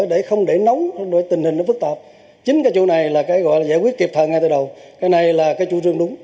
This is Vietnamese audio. để không để nóng đội tình hình nó phức tạp chính cái chỗ này là cái gọi là giải quyết kịp thời ngay từ đầu cái này là cái chủ trương đúng